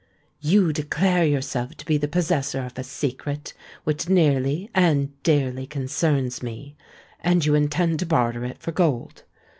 "You declare yourself to be the possessor of a secret which nearly and dearly concerns me; and you intend to barter it for gold?